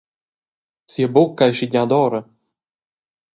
Sia bucca ei schigiada ora.